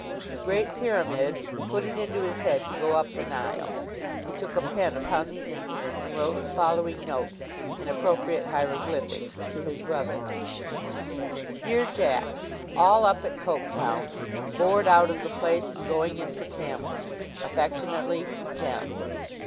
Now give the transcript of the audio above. The Great Pyramid put it into his head to go up the Nile. He took a pen upon the instant, and wrote the following note (in appropriate hieroglyphics) to his brother: Dear Jack,—All up at Coketown. Bored out of the place, and going in for camels. Affectionately, JEM.